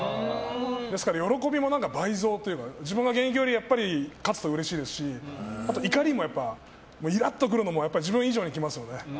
ですから、喜びも倍増というか自分が現役より勝つとうれしいですしあとは怒りも、イラッとくるのも自分以上にきますね。